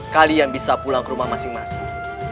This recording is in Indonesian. kalian bisa pulang ke rumah masing masing